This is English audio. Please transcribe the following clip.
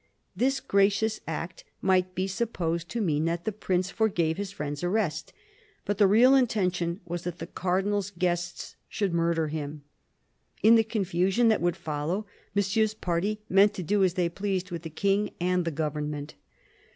This gracious act might be supposed to mean that the Prince forgave his friend's arrest. But the real intention was that the Cardinal's guests should murder him. In the confusion that would follow, Mon sieur's party meant to do as they pleased with the King and the government.